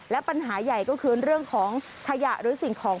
และปัญหาใหญ่ก็คือเรื่องของขยะหรือสิ่งของ